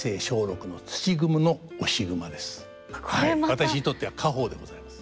私にとっては家宝でございます。